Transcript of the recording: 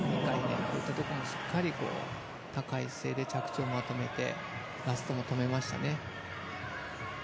こういったところもしっかり高い姿勢で着地をまとめてラストも止めましたね。